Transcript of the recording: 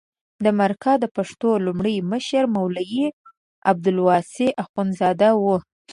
د مرکه د پښتو لومړی مشر مولوي عبدالواسع اخندزاده و.